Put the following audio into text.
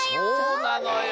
そうなのよ。